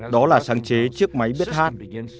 đó là sáng chế chiếc máy biết hát